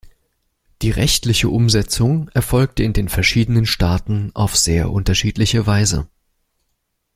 Die rechtliche Umsetzung erfolgte in den verschiedenen Staaten auf sehr unterschiedliche Weise.